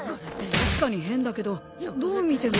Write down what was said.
確かに変だけどどう見ても。